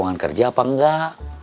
ada uang kerja apa enggak